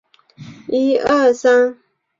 因为是我才能达成